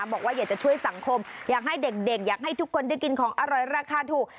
บอกว่าอยากจะช่วยสังคมอยากให้เด็กอยากให้ทุกคนได้กินของอร่อยราคาถูก